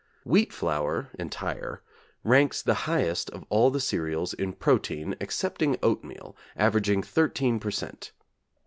Wheat flour (entire), ranks the highest of all the cereals in protein, excepting oatmeal, averaging 13 per cent.